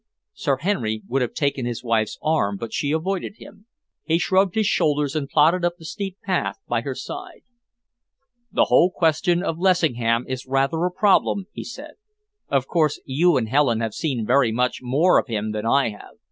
Sir Henry would have taken his wife's arm, but she avoided him. He shrugged his shoulders and plodded up the steep path by her side. "The whole question of Lessingham is rather a problem," he said. "Of course, you and Helen have seen very much more of him than I have.